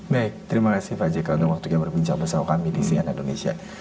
baik terima kasih fadjik adul waktu kita berbincang bersama kami di sian indonesia